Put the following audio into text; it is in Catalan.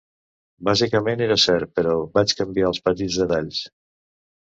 Bàsicament era cert, però vaig canviar els petits detalls.